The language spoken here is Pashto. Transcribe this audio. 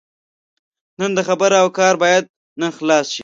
د نن خبره او کار باید نن خلاص شي.